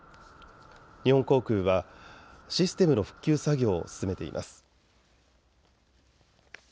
日本航空はシステムの復旧作業を進めています。